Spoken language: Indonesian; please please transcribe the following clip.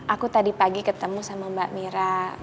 aku tadi pagi ketemu sama mbak mira